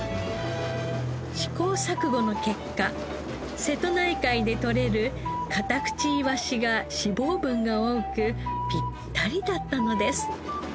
試行錯誤の結果瀬戸内海でとれるカタクチイワシが脂肪分が多くピッタリだったのです。